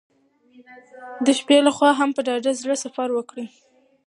د شپې له خوا هم په ډاډه زړه سفر وکړئ.